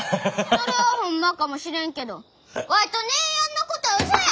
それはホンマかもしれんけどワイと姉やんのことはうそや！